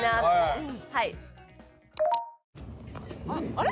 ・あれ？